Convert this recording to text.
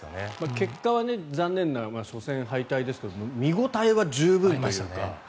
結果は残念な初戦敗退ですが見応えは十分というか。